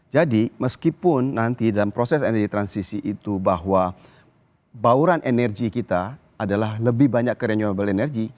jadi meskipun nanti dalam proses energy transisi itu bahwa bauran energy kita adalah lebih banyak kerenewable energy